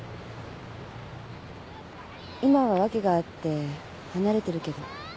今は訳があって離れてるけど。